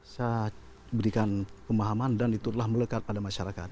saya berikan pemahaman dan itulah melekat pada masyarakat